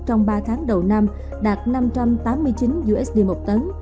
trong ba tháng đầu năm đạt năm trăm tám mươi chín usd một tấn